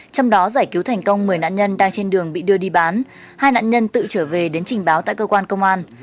trong đó giải cứu thành công một mươi nạn nhân đang trên đường bị đưa đi bán hai nạn nhân tự trở về đến trình báo tại cơ quan công an